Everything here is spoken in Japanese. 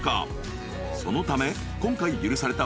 ［そのため今回許された